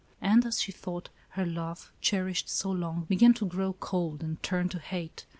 And as she thought, her love, cherished so long, began to grow cold and turn to hate.